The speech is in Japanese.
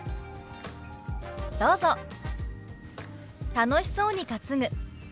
「楽しそうに担ぐ」。